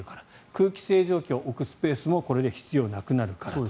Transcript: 空気清浄機を置くスペースもこれで必要なくなるからと。